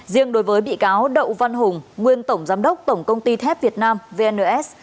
riêng đối với bị cáo đậu văn hùng nguyên tổng giám đốc tổng công ty thép việt nam vns